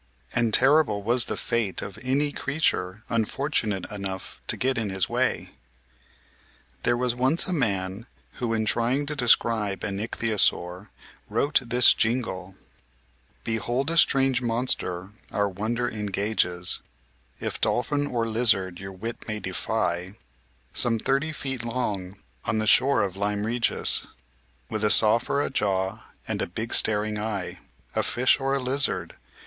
And terrible was MIGHTY ANIMALS 5 65 66 MIGHTY ANIMALS the fate of any creature unfortunate enough to get in his way. There was once a man who, in trying to describe an Ichthyosaur, wrote this jingle :" Behold a strange monster our wonder engages, If dolphin or lizard your wit may defy, Some thirty feet long on the shore of Lyme Regis, With a saw for a jaw and a big staring eye. A fish or a lizard